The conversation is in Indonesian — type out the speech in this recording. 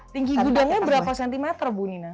tinggi gudangnya berapa cm bu nina